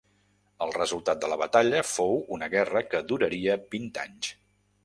El resultat de la batalla fou una guerra que duraria vint anys.